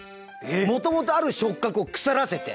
もともとある触角を腐らせて。